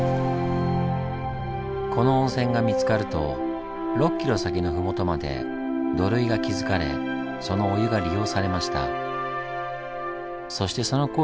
この温泉が見つかると６ｋｍ先の麓まで土塁が築かれそのお湯が利用されました。